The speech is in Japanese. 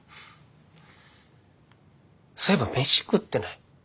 そういえば飯食ってない。